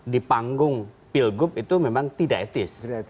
di panggung pilgub itu memang tidak etis